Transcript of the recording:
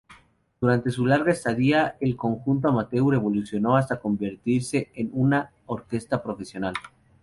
Durante su larga estadía, el conjunto amateur evolucionó hasta convertirse en una orquesta profesional.